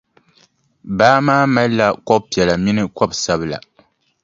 Baa maa malila kɔbʼ piɛla mini kɔbʼ sabila.